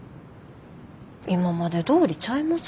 今までどおりちゃいます？